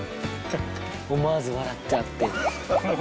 思わず笑っちゃって。